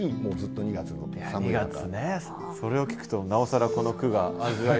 それを聞くとなおさらこの句が味わい深いです。